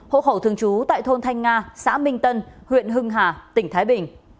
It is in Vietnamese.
hộ khẩu thường trú tại thôn thanh nga xã minh tân huyện hưng hà tỉnh thái bình